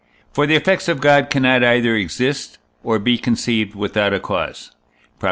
For the effects of God cannot either exist or be conceived without a cause (Prop.